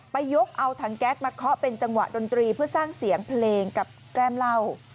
ยกเอาถังแก๊สมาเคาะเป็นจังหวะดนตรีเพื่อสร้างเสียงเพลงกับแก้มเหล้า